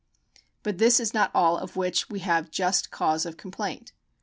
But this is not all of which we have just cause of complaint.